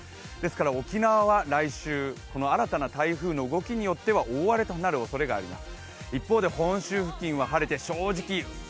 沖縄は来週、新たな台風の動きによっては大荒れとなるおそれがあります。